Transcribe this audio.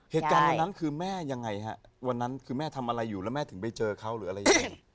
เหตุการณ์วันนั้นคือแม่ยังไงฮะวันนั้นคือแม่ทำอะไรอยู่แล้วแม่ถึงไปเจอเขาหรืออะไรยังไง